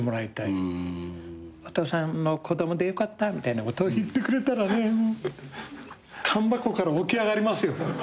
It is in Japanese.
「お父さんの子供で良かった」みたいなことを言ってくれたらね棺箱から起き上がりますよ。